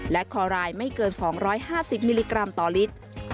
และคอรายไม่เกิน๒๕๐มิลลิกรัมต่อลิตร